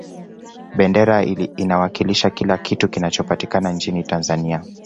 bendera inawakilisha kila kitu kinachopatikana nchini tanzania